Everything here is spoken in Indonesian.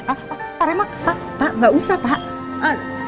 pak remak pak pak nggak usah pak